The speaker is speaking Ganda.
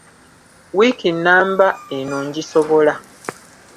Wiiki nnamba eno ngisobola!